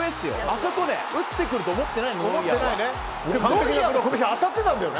あそこね打ってくると思ってないのよ。